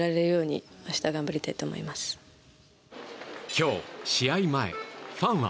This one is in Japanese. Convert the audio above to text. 今日試合前、ファンは。